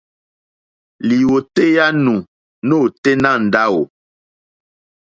Lìwòtéyá nù nôténá ndáwò.